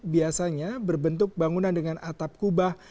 biasanya berbentuk bangunan dengan atap kubah